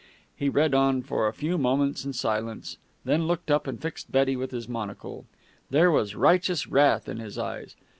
He read on for a few moments in silence, then looked up and fixed Betty with his monocle. There was righteous wrath in his eyes.